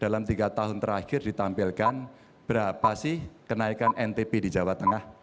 dalam tiga tahun terakhir ditampilkan berapa sih kenaikan ntp di jawa tengah